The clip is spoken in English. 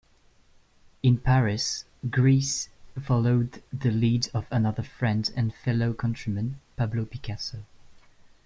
In Paris, Gris followed the lead of another friend and fellow countryman, Pablo Picasso.